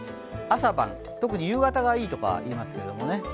朝晩、特に夕方がいいとか言いますね。